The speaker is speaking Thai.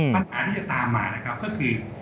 ปัญหาที่จะตามมานะครับก็คือ